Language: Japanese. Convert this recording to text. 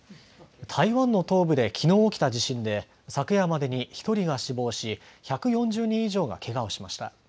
台湾の東部できのう起きた地震で昨夜までに１人が死亡し、１４０人以上がけがをしました。